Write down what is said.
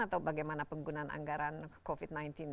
atau bagaimana penggunaan anggaran covid sembilan belas